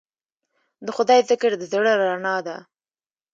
د خدای ذکر د زړه رڼا ده.